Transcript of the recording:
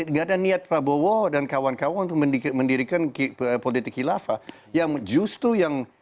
enggak ada niat prabowo dan kawan kawan untuk mendirikan politik khilafah yang justru yang